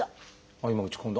あっ今打ち込んだ。